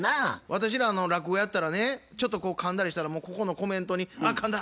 私ら落語やったらねちょっとかんだりしたらもうここのコメントに「あっかんだ」